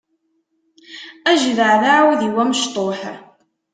Ajdaɛ d aɛudiw amecṭuḥ.